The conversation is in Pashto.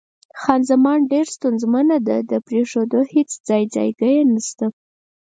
خان زمان: ډېره ستونزمنه ده، د پرېښودلو هېڅ ځای ځایګی یې نشته.